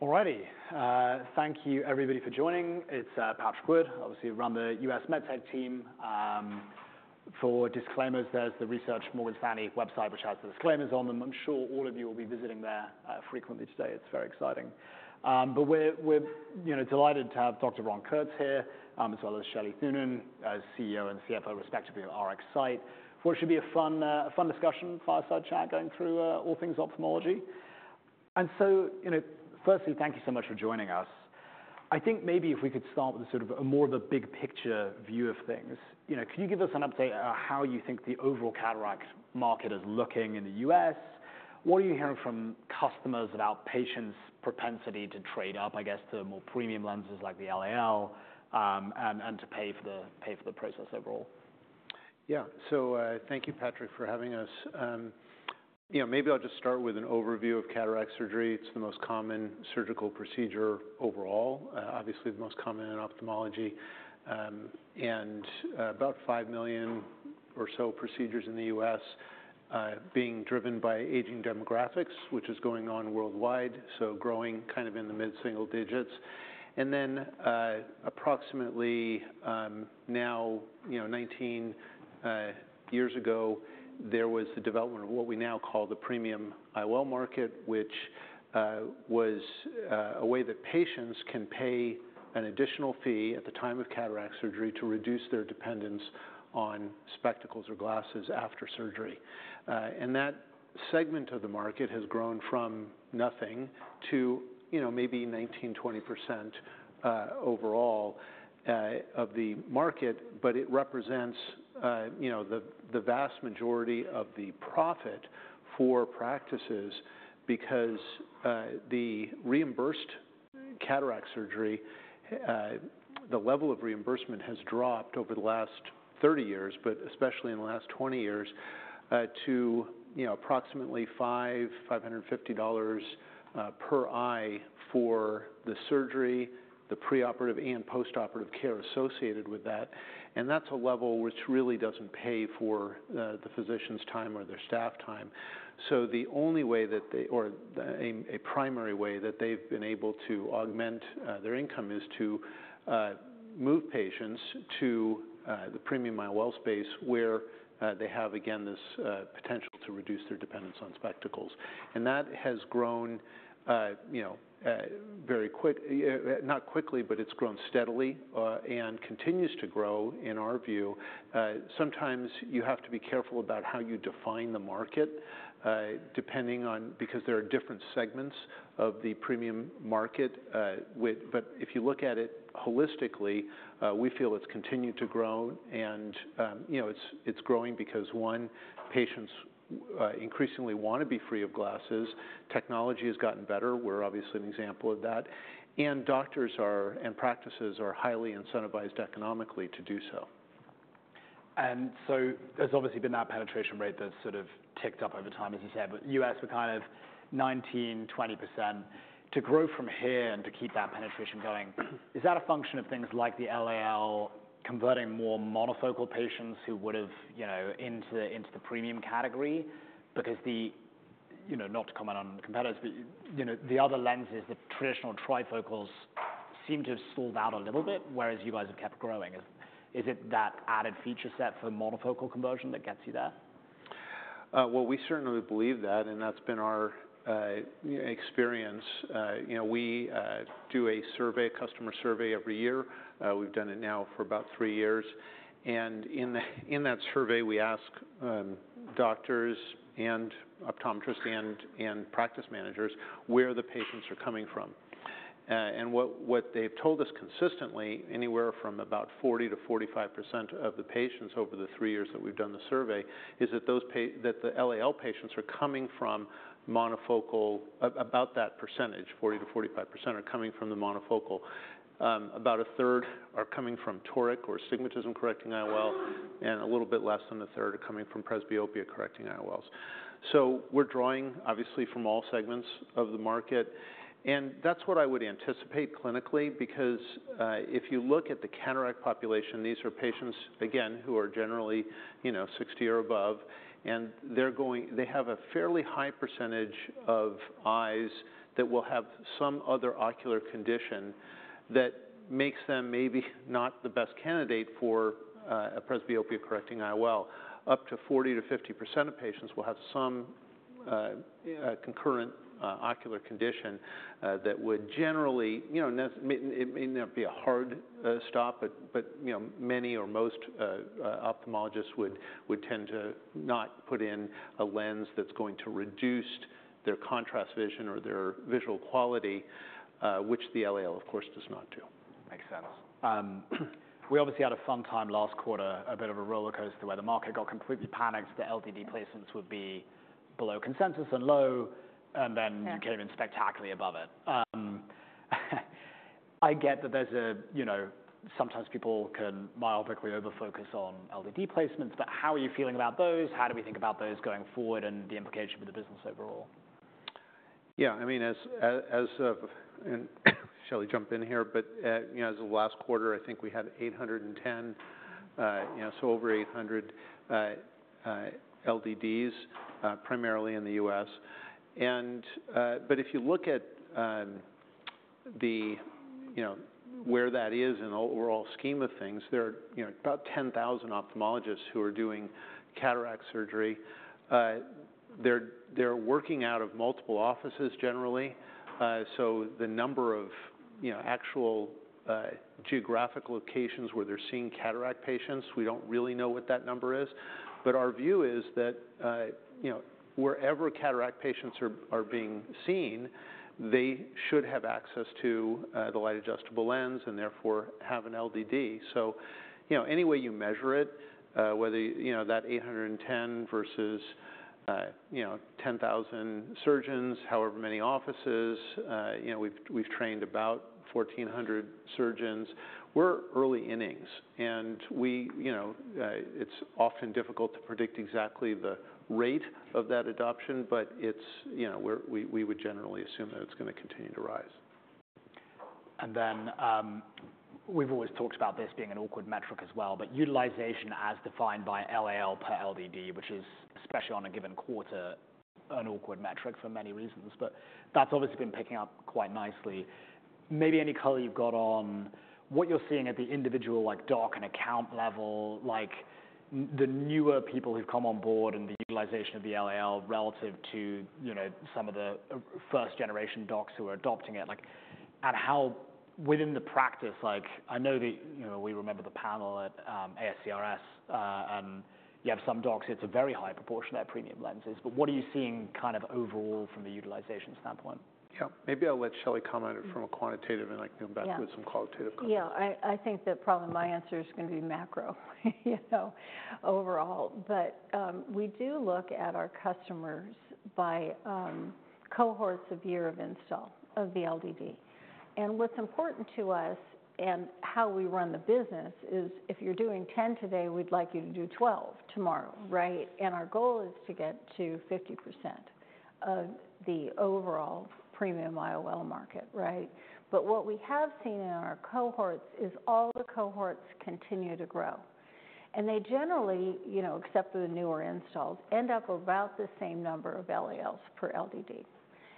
All righty. Thank you, everybody, for joining. It's Patrick Wood. Obviously, I run the US MedTech team. For disclaimers, there's the Research Morgan Stanley website, which has the disclaimers on them. I'm sure all of you will be visiting there frequently today. It's very exciting. But we're, you know, delighted to have Dr. Ron Kurtz here, as well as Shelley Thunen, as CEO and CFO, respectively, of RxSight, for what should be a fun discussion, fireside chat, going through all things ophthalmology. And so, you know, firstly, thank you so much for joining us. I think maybe if we could start with sort of a more of a big picture view of things. You know, can you give us an update on how you think the overall cataract market is looking in the US? What are you hearing from customers about patients' propensity to trade up, I guess, to more premium lenses like the LAL, and to pay for the process overall? Yeah. So, thank you, Patrick, for having us. You know, maybe I'll just start with an overview of cataract surgery. It's the most common surgical procedure overall, obviously the most common in ophthalmology. And about 5 million or so procedures in the US, being driven by aging demographics, which is going on worldwide, so growing kind of in the mid-single digits. And then, approximately, now, you know, 19 years ago, there was the development of what we now call the premium IOL market, which was a way that patients can pay an additional fee at the time of cataract surgery to reduce their dependence on spectacles or glasses after surgery. And that segment of the market has grown from nothing to, you know, maybe 19%-20% overall of the market, but it represents, you know, the vast majority of the profit for practices. Because the reimbursed cataract surgery, the level of reimbursement has dropped over the last 30 years, but especially in the last 20 years, to, you know, approximately $550 per eye for the surgery, the preoperative and postoperative care associated with that. And that's a level which really doesn't pay for the physician's time or their staff time. So the only way that they... Or a primary way that they've been able to augment their income is to move patients to the premium IOL space, where they have, again, this potential to reduce their dependence on spectacles. And that has grown, you know, not quickly, but it's grown steadily and continues to grow, in our view. Sometimes you have to be careful about how you define the market, depending on, because there are different segments of the premium market, with. But if you look at it holistically, we feel it's continued to grow and, you know, it's growing because, one, patients increasingly want to be free of glasses, technology has gotten better, we're obviously an example of that, and doctors are, and practices are highly incentivized economically to do so. And so there's obviously been that penetration rate that's sort of ticked up over time, as you said, but U.S., we're kind of 19%-20%. To grow from here and to keep that penetration going, is that a function of things like the LAL converting more monofocal patients who would've, you know, into the, into the premium category? Because the... You know, not to comment on competitors, but, you know, the other lenses, the traditional trifocals, seem to have stalled out a little bit, whereas you guys have kept growing. Is, is it that added feature set for monofocal conversion that gets you there? Well, we certainly believe that, and that's been our experience. You know, we do a survey, a customer survey every year. We've done it now for about three years. And in that survey, we ask doctors and optometrists and practice managers where the patients are coming from. And what they've told us consistently, anywhere from about 40%-45% of the patients over the three years that we've done the survey, is that that the LAL patients are coming from monofocal. About that percentage, 40%-45%, are coming from the monofocal. About a third are coming from toric or astigmatism-correcting IOL, and a little bit less than a third are coming from presbyopia-correcting IOLs. So we're drawing, obviously, from all segments of the market, and that's what I would anticipate clinically. Because if you look at the cataract population, these are patients, again, who are generally, you know, 60 or above, and they have a fairly high percentage of eyes that will have some other ocular condition that makes them maybe not the best candidate for a presbyopia-correcting IOL. Up to 40% to 50% of patients will have some, Yeah... concurrent ocular condition that would generally, you know, it may not be a hard stop, but, you know, many or most ophthalmologists would tend to not put in a lens that's going to reduce their contrast vision or their visual quality, which the LAL, of course, does not do. Makes sense. We obviously had a fun time last quarter, a bit of a rollercoaster, where the market got completely panicked that LDD placements would be below consensus and low, and then- Yeah... came in spectacularly above it. I get that there's a, you know, sometimes people can myopically overfocus on LDD placements, but how are you feeling about those? How do we think about those going forward and the implication for the business overall? Yeah, I mean, Shelley jump in here, but you know, as of last quarter, I think we had 810, you know, so over 800 LDDs, primarily in the U.S. And but if you look at the, you know, where that is in the overall scheme of things, there are, you know, about 10,000 ophthalmologists who are doing cataract surgery. They're working out of multiple offices generally. So the number of, you know, actual geographic locations where they're seeing cataract patients, we don't really know what that number is. But our view is that, you know, wherever cataract patients are being seen, they should have access to the Light Adjustable Lens and therefore have an LDD. So, you know, any way you measure it, whether, you know, that eight hundred and ten versus, you know, ten thousand surgeons, however many offices, you know, we've trained about fourteen hundred surgeons. We're early innings, and, you know, it's often difficult to predict exactly the rate of that adoption, but it's, you know, we would generally assume that it's gonna continue to rise. And then, we've always talked about this being an awkward metric as well, but utilization as defined by LAL per LDD, which is especially on a given quarter, an awkward metric for many reasons. But that's obviously been picking up quite nicely. Maybe any color you've got on what you're seeing at the individual, like, doc and account level, like, the newer people who've come on board and the utilization of the LAL relative to, you know, some of the first-generation docs who are adopting it. Like, and how within the practice, like, I know that, you know, we remember the panel at ASCRS, and you have some docs, it's a very high proportion of their premium lenses. But what are you seeing kind of overall from a utilization standpoint? Yeah. Maybe I'll let Shelley comment on it from a quantitative, and I can come back- Yeah... with some qualitative comments. Yeah, I think that probably my answer is gonna be macro, you know, overall. But, we do look at our customers by cohorts of year of install of the LDD. And what's important to us and how we run the business is, if you're doing 10 today, we'd like you to do 12 tomorrow, right? And our goal is to get to 50% of the overall premium IOL market, right? But what we have seen in our cohorts is all the cohorts continue to grow, and they generally, you know, except for the newer installs, end up about the same number of LALs per LDD.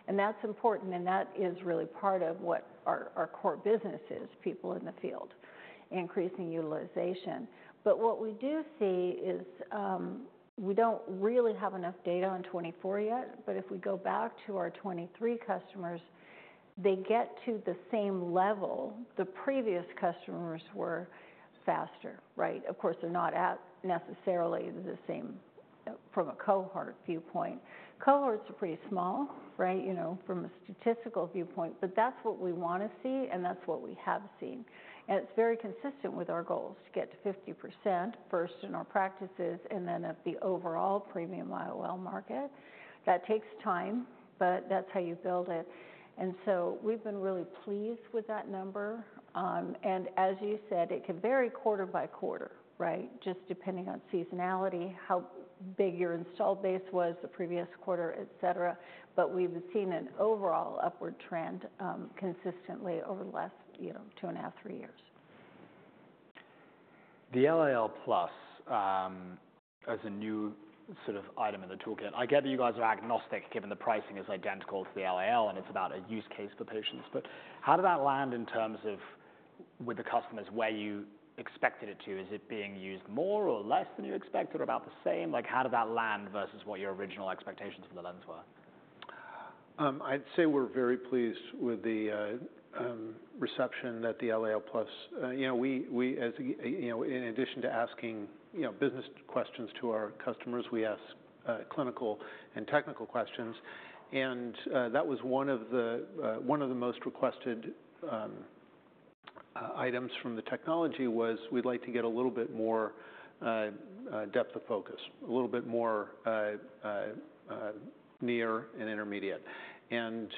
And that's important, and that is really part of what our core business is, people in the field, increasing utilization. But what we do see is, we don't really have enough data on 2024 yet, but if we go back to our 2023 customers, they get to the same level the previous customers were faster, right? Of course, they're not at necessarily the same, from a cohort viewpoint. Cohorts are pretty small, right? You know, from a statistical viewpoint. But that's what we want to see, and that's what we have seen. And it's very consistent with our goals to get to 50% first in our practices, and then of the overall premium IOL market. That takes time, but that's how you build it. And so we've been really pleased with that number. And as you said, it can vary quarter by quarter, right? Just depending on seasonality, how big your installed base was the previous quarter, et cetera. But we've seen an overall upward trend, consistently over the last, you know, two and a half, three years. The LAL+, as a new sort of item in the toolkit, I get that you guys are agnostic, given the pricing is identical to the LAL, and it's about a use case for patients. But how did that land in terms of with the customers, where you expected it to? Is it being used more or less than you expected, or about the same? Like, how did that land versus what your original expectations for the lens were? I'd say we're very pleased with the reception that the LAL+... You know, we, as you know, in addition to asking, you know, business questions to our customers, we ask clinical and technical questions, and that was one of the most requested items from the technology was, we'd like to get a little bit more depth of focus, a little bit more near and intermediate. And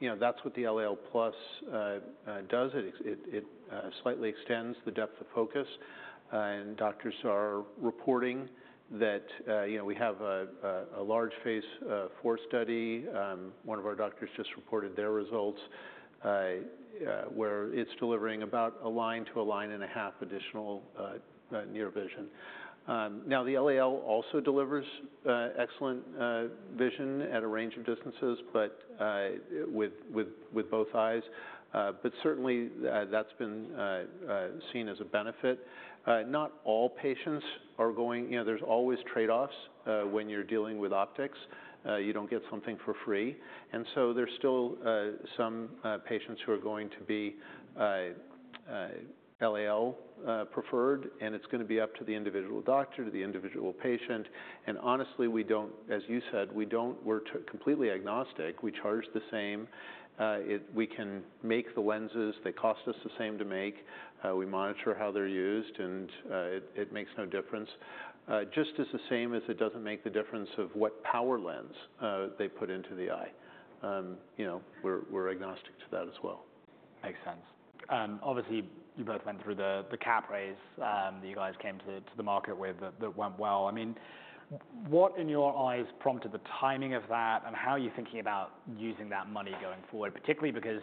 you know, that's what the LAL+ does. It slightly extends the depth of focus, and doctors are reporting that... You know, we have a large Phase 4 study. One of our doctors just reported their results, where it's delivering about a line to a line and a half additional near vision. Now, the LAL also delivers excellent vision at a range of distances, but with both eyes. But certainly, that's been seen as a benefit. Not all patients are going. You know, there's always trade-offs when you're dealing with optics. You don't get something for free, and so there's still some patients who are going to be LAL preferred, and it's gonna be up to the individual doctor, to the individual patient. And honestly, we don't, as you said, we don't. We're completely agnostic. We charge the same. We can make the lenses, they cost us the same to make. We monitor how they're used, and it makes no difference. Just as the same as it doesn't make the difference of what power lens they put into the eye. You know, we're agnostic to that as well. Makes sense. Obviously, you both went through the cap raise that you guys came to the market with, that went well. I mean, what, in your eyes, prompted the timing of that, and how are you thinking about using that money going forward? Particularly because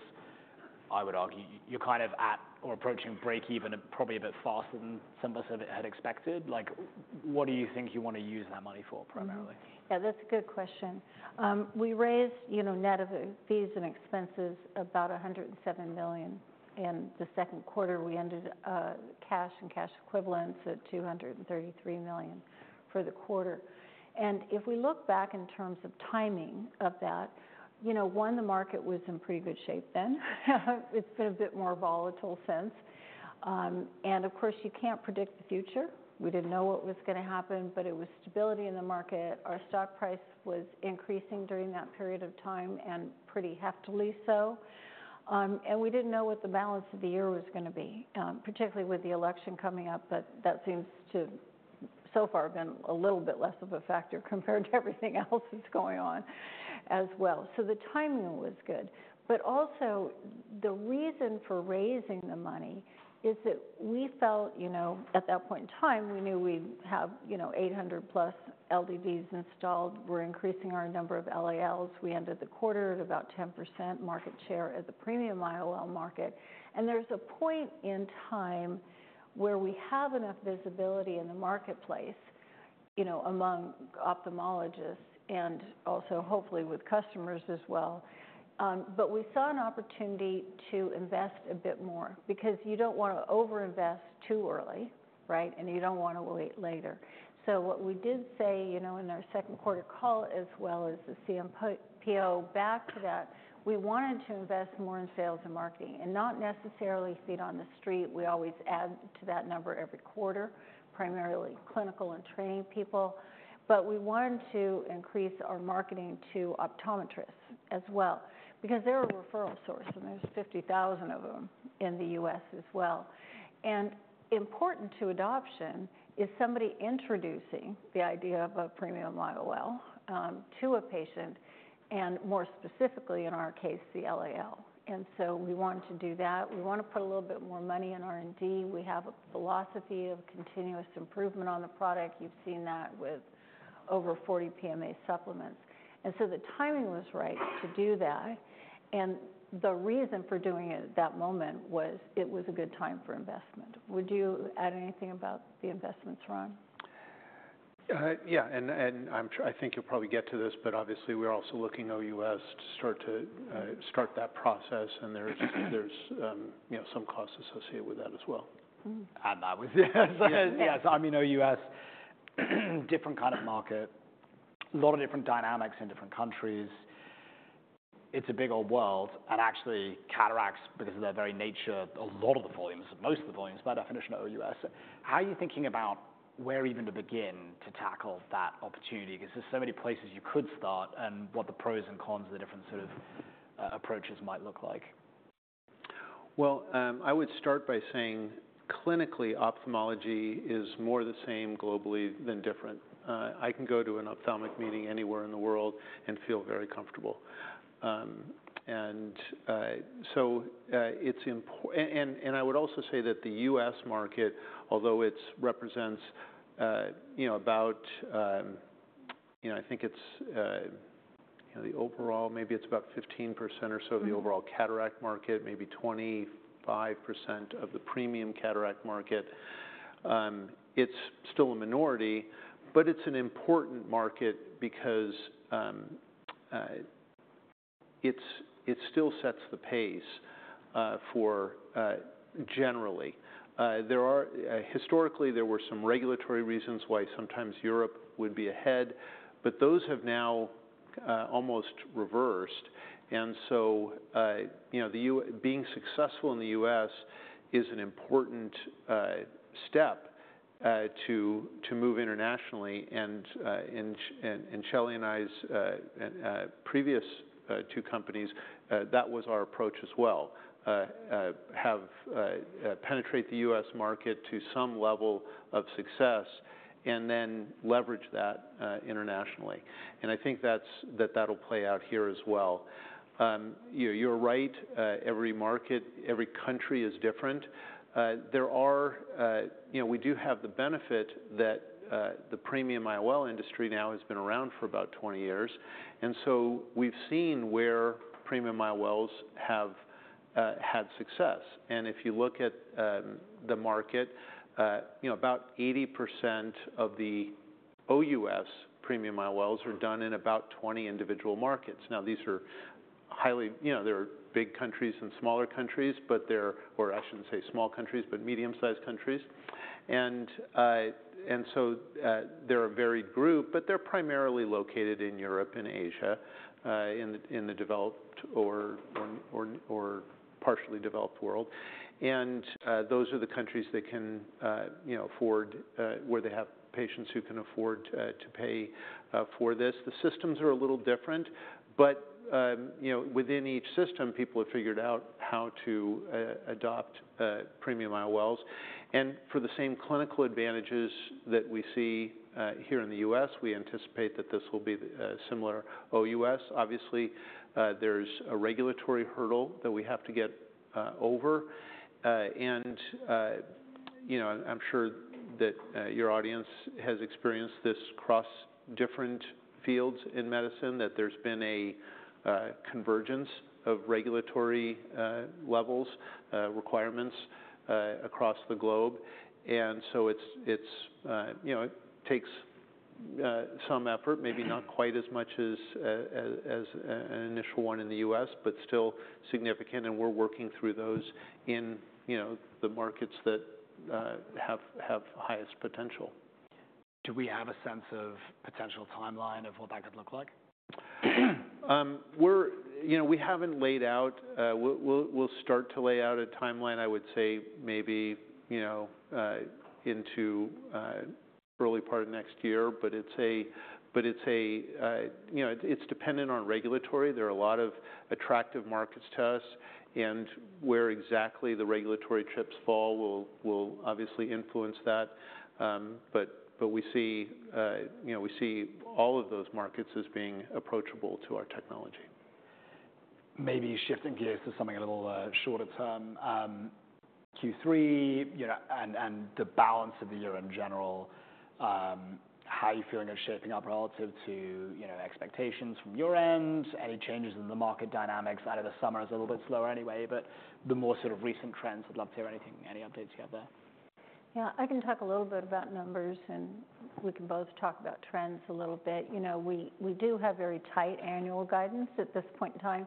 I would argue, you're kind of at or approaching breakeven and probably a bit faster than some of us had expected. Like, what do you think you want to use that money for primarily? Mm-hmm. Yeah, that's a good question. We raised, you know, net of fees and expenses, about $107 million. In the second quarter, we ended cash and cash equivalents at $233 million for the quarter. And if we look back in terms of timing of that, you know, the market was in pretty good shape then. It's been a bit more volatile since. And of course, you can't predict the future. We didn't know what was gonna happen, but it was stability in the market. Our stock price was increasing during that period of time, and pretty heftily so. And we didn't know what the balance of the year was gonna be, particularly with the election coming up, but that seems to so far been a little bit less of a factor compared to everything else that's going on as well. So the timing was good, but also the reason for raising the money is that we felt, you know, at that point in time, we knew we have, you know, eight hundred plus LDDs installed. We're increasing our number of LALs. We ended the quarter at about 10% market share at the premium IOL market, and there's a point in time where we have enough visibility in the marketplace, you know, among ophthalmologists and also hopefully with customers as well. But we saw an opportunity to invest a bit more, because you don't want to over-invest too early, right? You don't want to wait later. What we did say, you know, in our second quarter call, as well as the CMPO, back to that, we wanted to invest more in sales and marketing, and not necessarily feet on the street. We always add to that number every quarter, primarily clinical and training people. But we wanted to increase our marketing to optometrists as well, because they're a referral source, and there's 50,000 of them in the U.S. as well. Important to adoption is somebody introducing the idea of a premium IOL to a patient, and more specifically, in our case, the LAL. We want to do that. We want to put a little bit more money in R&D. We have a philosophy of continuous improvement on the product. You've seen that with over 40 PMA supplements. And so the timing was right to do that, and the reason for doing it at that moment was it was a good time for investment. Would you add anything about the investments, Ron? Yeah, and I'm sure- I think you'll probably get to this, but obviously we're also looking OUS to start to- Mm-hmm... start that process, and there's, you know, some costs associated with that as well. Mm. And that was yes. Yes. Yes, I mean, OUS, different kind of market, a lot of different dynamics in different countries. It's a big old world, and actually, cataracts, because of their very nature, a lot of the volumes, most of the volumes, by definition, are OUS. How are you thinking about where even to begin to tackle that opportunity? Because there's so many places you could start, and what the pros and cons of the different sort of approaches might look like. I would start by saying, clinically, ophthalmology is more the same globally than different. I can go to an ophthalmic meeting anywhere in the world and feel very comfortable. I would also say that the U.S. market, although it's represents, you know, about, you know, I think it's, the overall, maybe it's about 15% or so. Mm... of the overall cataract market, maybe 25% of the premium cataract market. It's still a minority, but it's an important market because it's it still sets the pace for generally. Historically, there were some regulatory reasons why sometimes Europe would be ahead, but those have now almost reversed. And so you know, the U.S. Being successful in the U.S. is an important step to move internationally. And in Shelley and I's previous two companies, that was our approach as well: have penetrate the U.S. market to some level of success, and then leverage that internationally. And I think that'll play out here as well. You're right, every market, every country is different. There are... You know, we do have the benefit that, the premium IOL industry now has been around for about 20 years, and so we've seen where premium IOLs have, had success. And if you look at, the market, you know, about 80% of the OUS premium IOLs are done in about 20 individual markets. Now, these are. You know, they're big countries and smaller countries, but they're, or I shouldn't say small countries, but medium-sized countries. And so, they're a varied group, but they're primarily located in Europe and Asia, in the developed or partially developed world. And, those are the countries that can, you know, afford, where they have patients who can afford, to pay, for this. The systems are a little different, but, you know, within each system, people have figured out how to adopt premium IOLs, and for the same clinical advantages that we see here in the U.S., we anticipate that this will be similar OUS. Obviously, there's a regulatory hurdle that we have to get over, and, you know, and I'm sure that your audience has experienced this across different fields in medicine, that there's been a convergence of regulatory levels, requirements across the globe, and so it's, you know, it takes some effort, maybe not quite as much as an initial one in the U.S., but still significant, and we're working through those in, you know, the markets that have the highest potential. Do we have a sense of potential timeline of what that could look like? We're, you know, we haven't laid out. We'll start to lay out a timeline, I would say maybe, you know, into early part of next year. But it's a, you know, it's dependent on regulatory. There are a lot of attractive markets to us, and where exactly the regulatory hurdles fall will obviously influence that. But we see, you know, we see all of those markets as being approachable to our technology. Maybe shifting gears to something a little shorter term. Q3, you know, and the balance of the year in general, how are you feeling it's shaping up relative to, you know, expectations from your end? Any changes in the market dynamics out of the summer is a little bit slower anyway, but the more sort of recent trends, I'd love to hear anything, any updates you have there. Yeah, I can talk a little bit about numbers, and we can both talk about trends a little bit. You know, we do have very tight annual guidance at this point in time,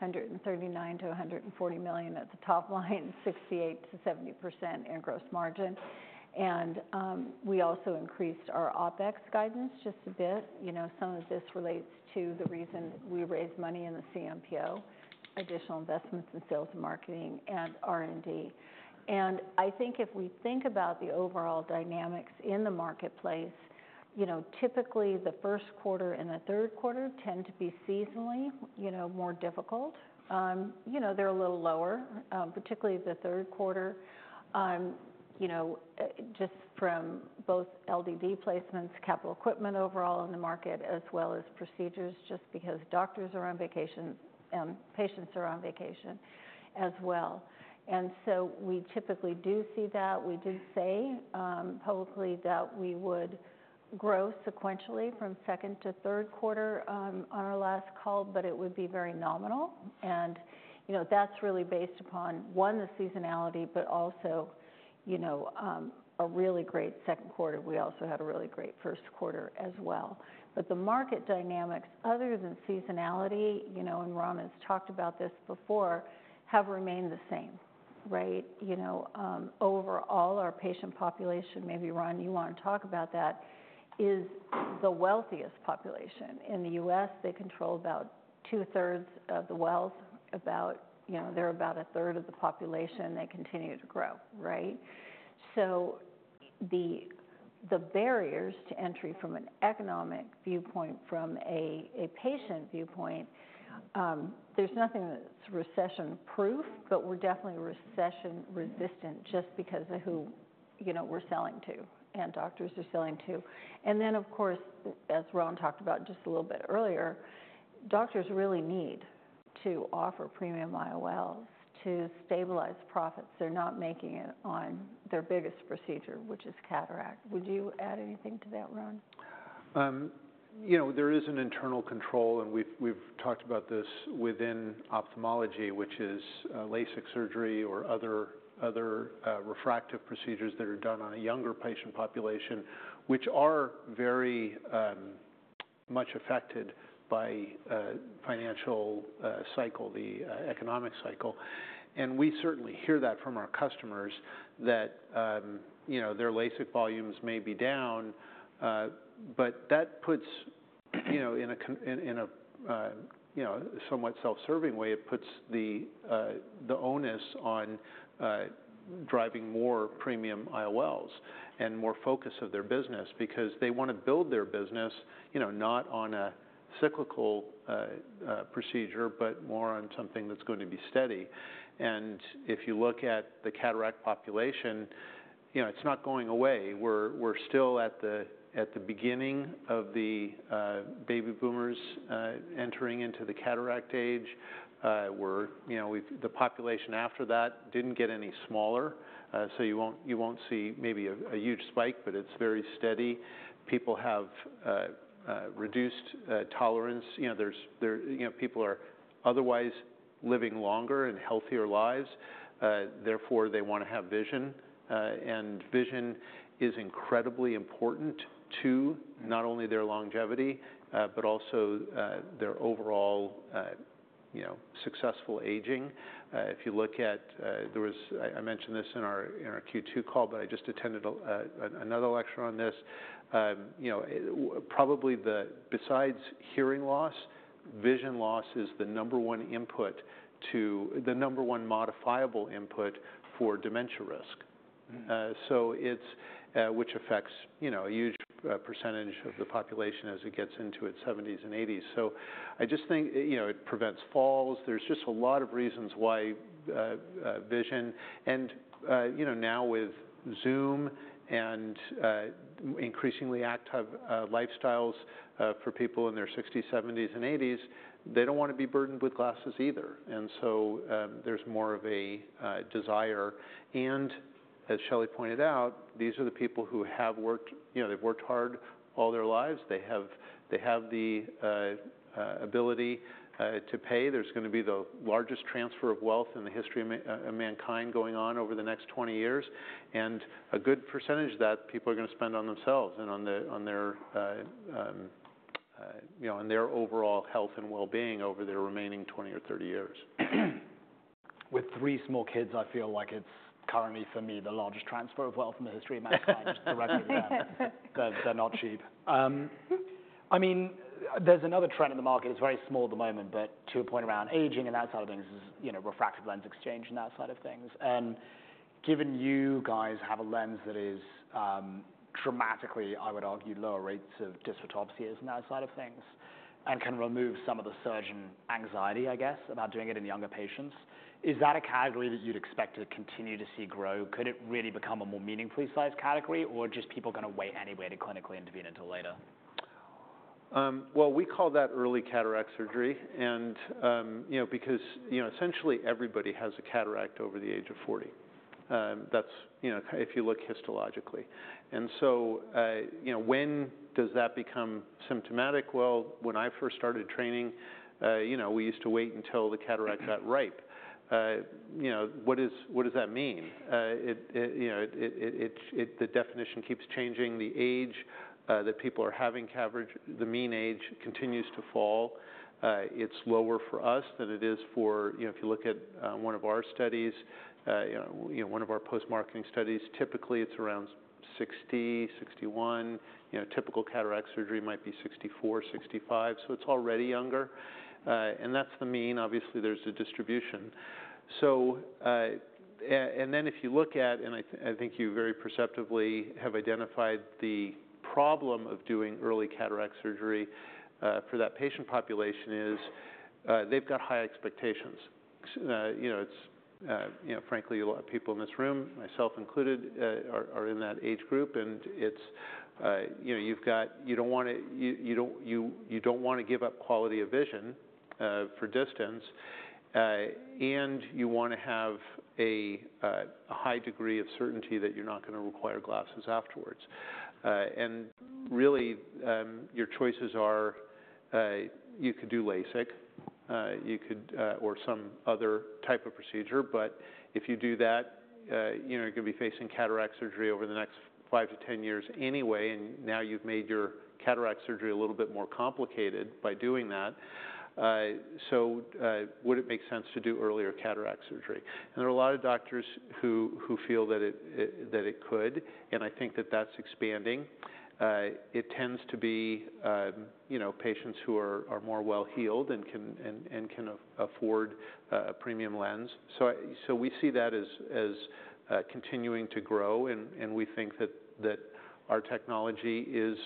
$139-$140 million at the top line, 68%-70% in gross margin. And we also increased our OpEx guidance just a bit. You know, some of this relates to the reason we raised money in the CMPO, additional investments in sales and marketing and R&D. And I think if we think about the overall dynamics in the marketplace, you know, typically the first quarter and the third quarter tend to be seasonally, you know, more difficult. You know, they're a little lower, particularly the third quarter. You know, just from both LDD placements, capital equipment overall in the market, as well as procedures, just because doctors are on vacation, patients are on vacation as well. And so we typically do see that. We did say, publicly, that we would grow sequentially from second to third quarter, on our last call, but it would be very nominal. And, you know, that's really based upon, one, the seasonality, but also, you know, a really great second quarter. We also had a really great first quarter as well. But the market dynamics, other than seasonality, you know, and Ron has talked about this before, have remained the same, right? You know, overall, our patient population, maybe Ron, you want to talk about that, is the wealthiest population. In the U.S., they control about two-thirds of the wealth, about... You know, they're about a third of the population, they continue to grow, right? So the barriers to entry from an economic viewpoint, from a patient viewpoint, there's nothing that's recession-proof, but we're definitely recession-resistant just because of who, you know, we're selling to and doctors are selling to. And then, of course, as Ron talked about just a little bit earlier, doctors really need to offer premium IOLs to stabilize profits. They're not making it on their biggest procedure, which is cataract. Would you add anything to that, Ron? You know, there is an internal control, and we've talked about this within ophthalmology, which is LASIK surgery or other refractive procedures that are done on a younger patient population, which are very much affected by financial cycle, the economic cycle. And we certainly hear that from our customers, that you know their LASIK volumes may be down, but that puts, you know, in a somewhat self-serving way, it puts the onus on driving more premium IOLs and more focus of their business. Because they want to build their business, you know, not on a cyclical procedure, but more on something that's going to be steady. And if you look at the cataract population, you know, it's not going away. We're still at the beginning of the baby boomers entering into the cataract age. You know, the population after that didn't get any smaller, so you won't see maybe a huge spike, but it's very steady. People have reduced tolerance. You know, people are otherwise living longer and healthier lives, therefore, they want to have vision. And vision is incredibly important to not only their longevity, but also, their overall, you know, successful aging. If you look at... There was I mentioned this in our Q2 call, but I just attended another lecture on this. You know, probably the- besides hearing loss, vision loss is the number one input to... The number one modifiable input for dementia risk. Mm-hmm. So it's, which affects, you know, a huge percentage of the population as it gets into its seventies and eighties. So I just think, you know, it prevents falls. There's just a lot of reasons why vision and, you know, now with Zoom and increasingly active lifestyles for people in their sixties, seventies, and eighties, they don't want to be burdened with glasses either. And so, there's more of a desire. And as Shelley pointed out, these are the people who have worked, you know, they've worked hard all their lives. They have the ability to pay. There's going to be the largest transfer of wealth in the history of mankind going on over the next twenty years, and a good percentage of that, people are going to spend on themselves and on their, you know, overall health and well-being over their remaining twenty or thirty years. With three small kids, I feel like it's currently, for me, the largest transfer of wealth in the history of mankind, directly there. They're not cheap. I mean, there's another trend in the market. It's very small at the moment, but to your point around aging and that side of things is, you know, refractive lens exchange and that side of things. And given you guys have a lens that is, dramatically, I would argue, lower rates of dysphotopsia in that side of things, and can remove some of the surgeon anxiety, I guess, about doing it in younger patients, is that a category that you'd expect to continue to see grow? Could it really become a more meaningfully sized category, or are just people gonna wait anyway to clinically intervene until later? Well, we call that early cataract surgery, and, you know, because, you know, essentially everybody has a cataract over the age of forty. That's, you know, if you look histologically. And so, you know, when does that become symptomatic? Well, when I first started training, you know, we used to wait until the cataract got ripe. You know, what does that mean? You know, the definition keeps changing. The age that people are having coverage, the mean age continues to fall. It's lower for us than it is for... You know, if you look at one of our studies, you know, one of our post-marketing studies, typically it's around sixty, sixty-one. You know, typical cataract surgery might be sixty-four, sixty-five, so it's already younger. And that's the mean. Obviously, there's a distribution. So, and then if you look at, and I think you very perceptively have identified the problem of doing early cataract surgery, for that patient population, is, they've got high expectations. You know, it's, you know, frankly, a lot of people in this room, myself included, are in that age group, and it's. You know, you don't want to give up quality of vision, for distance, and you want to have a high degree of certainty that you're not gonna require glasses afterwards. And really, your choices are you could do LASIK or some other type of procedure, but if you do that, you know, you're gonna be facing cataract surgery over the next five to ten years anyway, and now you've made your cataract surgery a little bit more complicated by doing that. So would it make sense to do earlier cataract surgery? And there are a lot of doctors who feel that it could, and I think that that's expanding. It tends to be, you know, patients who are more well-heeled and can afford a premium lens. So we see that as continuing to grow, and we think that our technology is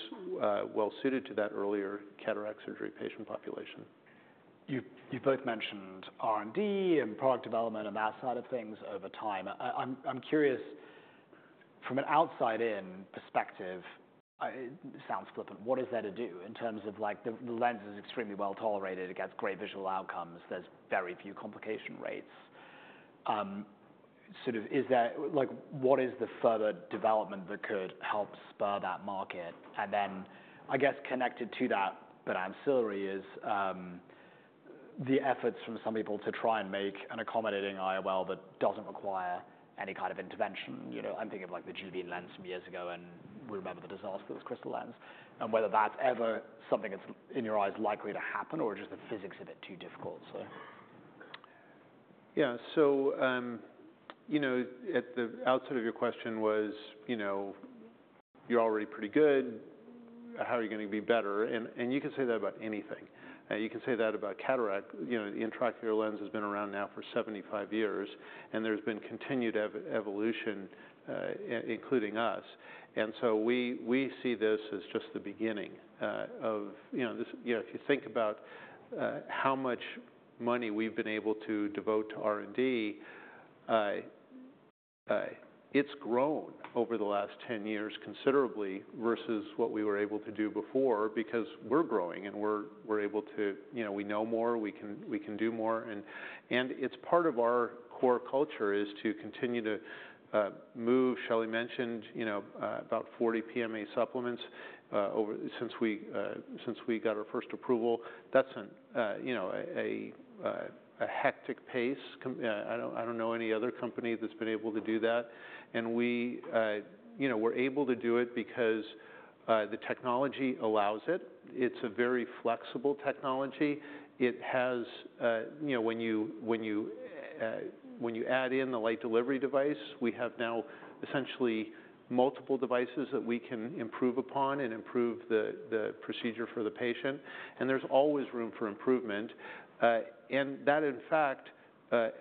well suited to that earlier cataract surgery patient population. You've both mentioned R&D and product development and that side of things over time. I'm curious, from an outside-in perspective, it sounds flippant. What is there to do in terms of, like, the lens is extremely well-tolerated, it gets great visual outcomes, there's very few complication rates? Sort of, is there? Like, what is the further development that could help spur that market? And then, I guess, connected to that, but ancillary, is the efforts from some people to try and make an accommodating IOL that doesn't require any kind of intervention. Yeah. You know, I'm thinking of, like, the Crystalens from years ago, and we remember the disaster with Crystalens. And whether that's ever something that's in your eyes likely to happen, or just the physics of it too difficult, so? Yeah. So, you know, at the outset of your question was, you know, you're already pretty good, how are you going to be better? And you can say that about anything. You can say that about cataract. You know, the intraocular lens has been around now for 75 years, and there's been continued evolution, including us. And so we see this as just the beginning, of, you know, this. You know, if you think about, how much money we've been able to devote to R&D, it's grown over the last 10 years considerably versus what we were able to do before, because we're growing and we're able to. You know, we know more, we can do more. And it's part of our core culture, is to continue to move. Shelley mentioned, you know, about 40 PMA supplements over since we got our first approval. That's, you know, a hectic pace. I don't know any other company that's been able to do that. And we, you know, we're able to do it because the technology allows it. It's a very flexible technology. It has... You know, when you add in the Light Delivery Device, we have now essentially multiple devices that we can improve upon and improve the procedure for the patient, and there's always room for improvement. And that, in fact,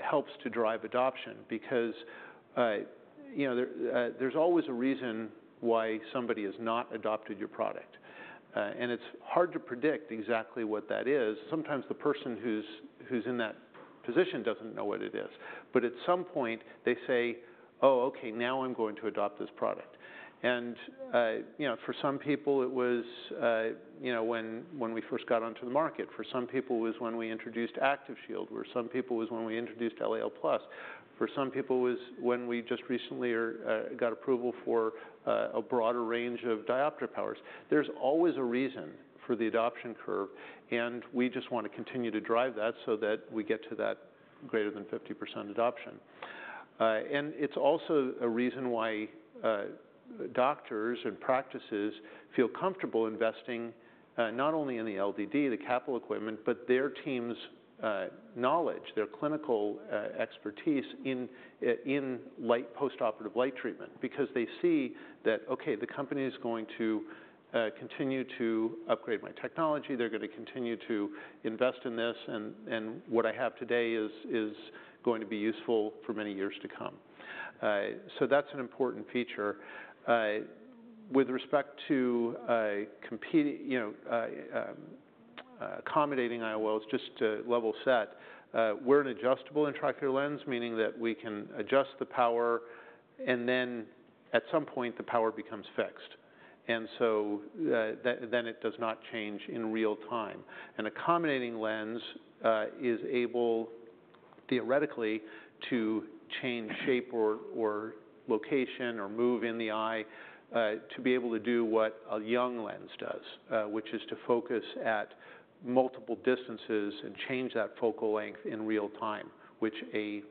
helps to drive adoption because, you know, there's always a reason why somebody has not adopted your product... and it's hard to predict exactly what that is. Sometimes the person who's in that position doesn't know what it is. But at some point, they say, "Oh, okay, now I'm going to adopt this product." And, you know, for some people, it was, you know, when we first got onto the market. For some people, it was when we introduced ActiveShield, or some people, it was when we introduced LAL+. For some people, it was when we just recently got approval for a broader range of diopter powers. There's always a reason for the adoption curve, and we just want to continue to drive that so that we get to that greater than 50% adoption. And it's also a reason why doctors and practices feel comfortable investing not only in the LDD, the capital equipment, but their team's knowledge, their clinical expertise in light postoperative light treatment. Because they see that, okay, the company is going to continue to upgrade my technology. They're going to continue to invest in this, and what I have today is going to be useful for many years to come. So that's an important feature. With respect to competing, you know, accommodating IOLs, just to level set, we're an adjustable intraocular lens, meaning that we can adjust the power, and then at some point, the power becomes fixed, and so then it does not change in real time. An accommodating lens is able, theoretically, to change shape or location or move in the eye to be able to do what a young lens does, which is to focus at multiple distances and change that focal length in real time, which an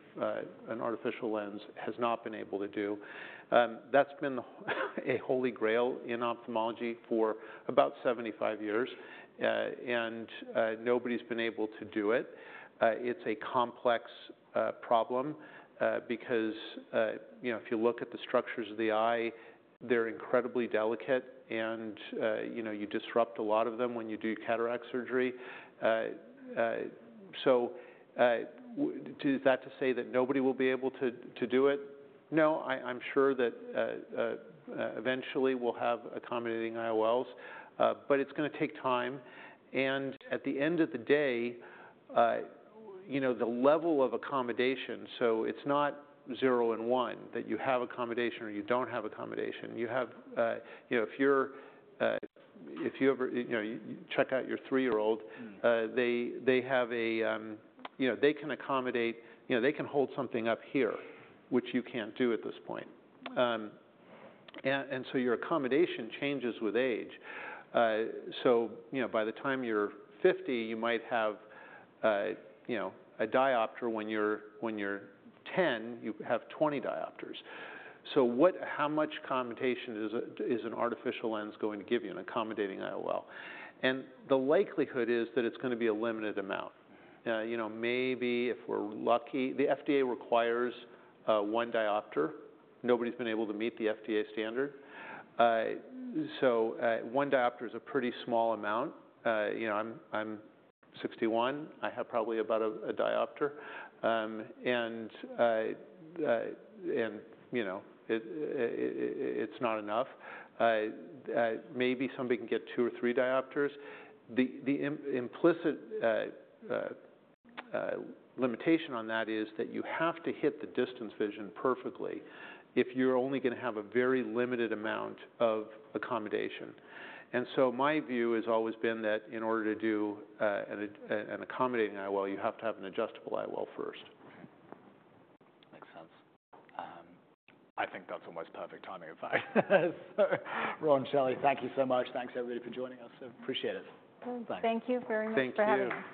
artificial lens has not been able to do. That's been a holy grail in ophthalmology for about seventy-five years, and nobody's been able to do it. It's a complex problem because you know, if you look at the structures of the eye, they're incredibly delicate, and you know, you disrupt a lot of them when you do cataract surgery. So, is that to say that nobody will be able to do it? No, I'm sure that eventually we'll have accommodating IOLs, but it's gonna take time. And at the end of the day, you know, the level of accommodation, so it's not zero and one, that you have accommodation or you don't have accommodation. You have. You know, if you're, if you ever, you know, you check out your three-year-old- Mm. They, they have a, you know, they can accommodate, you know, they can hold something up here, which you can't do at this point. And so your accommodation changes with age. So, you know, by the time you're 50, you might have, you know, a diopter. When you're 10, you have 20 diopters. So how much accommodation is an artificial lens going to give you, an accommodating IOL? And the likelihood is that it's gonna be a limited amount. You know, maybe, if we're lucky. The FDA requires one diopter. Nobody's been able to meet the FDA standard. So one diopter is a pretty small amount. You know, I'm 61. I have probably about a diopter. And you know, it, it's not enough. Maybe somebody can get two or three diopters. The implicit limitation on that is that you have to hit the distance vision perfectly if you're only gonna have a very limited amount of accommodation. And so my view has always been that in order to do an accommodating IOL, you have to have an adjustable IOL first. Makes sense. I think that's almost perfect timing, in fact. So Ron, Shelley, thank you so much. Thanks, everybody, for joining us. So appreciate it. Thank you very much for having us.